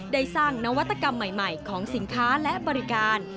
ได้สร้างนวัตกรรมใหม่ของสินค้าและบริการ